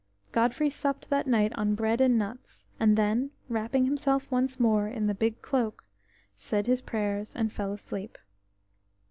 Godfrey supped that night on bread and nuts, and then, wrapping himself once more in the big cloak, said his prayers and fell asleep.